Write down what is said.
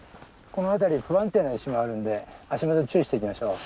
この辺り不安定な石もあるんで足元注意していきましょう。